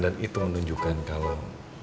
dan itu menunjukkan kalau